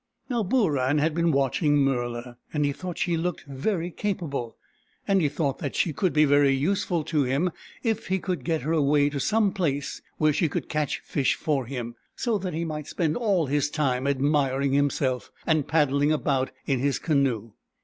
" Now, Booran had been watching Murla, and he thought she looked very capable, and he thought that she could be very useful to him if he could get her away to some place where she could catch fish for him, so that he might spend all his time admiring himself and paddhng about in his canoe.